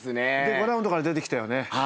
５ラウンドから出てきたよね。